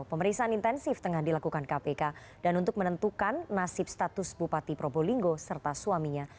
pemeriksaan intensif tengah dilakukan kpk dan untuk menentukan nasib status bupati probolinggo serta suaminya